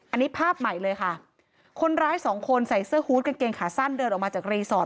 อันนี้ภาพใหม่เลยค่ะคนร้ายสองคนใส่เสื้อฮูตกางเกงขาสั้นเดินออกมาจากรีสอร์ท